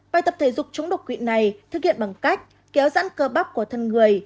bài tập thể dục chống đột quỷ này thực hiện bằng cách kéo giãn cơ bắp của thân người